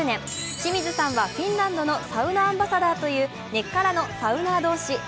清水さんはフィンランドのサウナアンバサダーという根っからのサウナー同士。